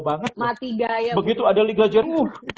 banget begitu ada liga jerman